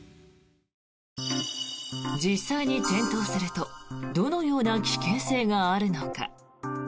実際に転倒するとどのような危険性があるのか。